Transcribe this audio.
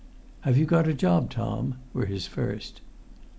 "Have you got a job, Tom?" were his first.